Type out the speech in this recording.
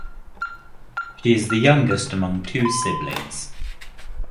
She is the youngest among two siblings.